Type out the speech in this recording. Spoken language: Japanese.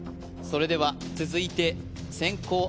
それでは続いて先攻